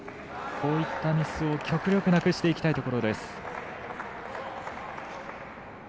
こういったミスを極力なくしていきたいところです。